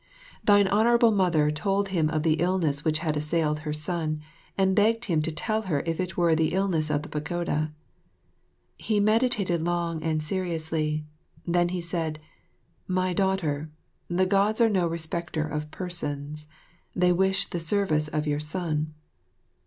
Thine Honourable Mother told him of the illness which had assailed her son, and begged him to tell her if it were the illness of the Pagoda. He meditated long and seriously, then he said, "My daughter, the Gods are no respecter of persons; they wish the service of your son."